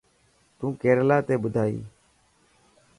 تون ڪيريلا تي ٻڌائي.